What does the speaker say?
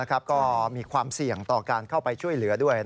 ก็มีความเสี่ยงต่อการเข้าไปช่วยเหลือด้วย